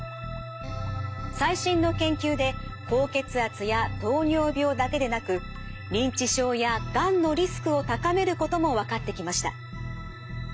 最新の研究で高血圧や糖尿病だけでなく認知症やがんのリスクを高めることも分かってきました。